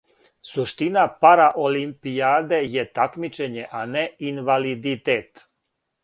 Суштина параолимпијаде је такмичење, а не инвалидитет.